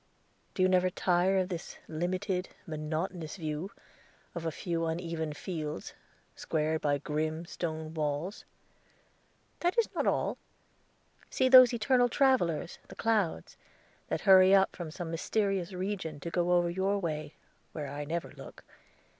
"Do you never tire of this limited, monotonous view of a few uneven fields, squared by grim stone walls?" "That is not all. See those eternal travelers, the clouds, that hurry up from some mysterious region to go over your way, where I never look.